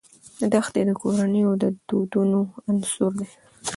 دښتې د کورنیو د دودونو عنصر دی.